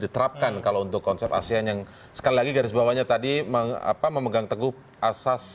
diterapkan kalau untuk konsep asean yang sekali lagi garis bawahnya tadi memegang teguh asas